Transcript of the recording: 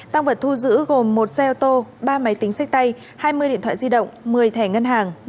tăng vật thu giữ gồm một xe ô tô ba máy tính sách tay hai mươi điện thoại di động một mươi thẻ ngân hàng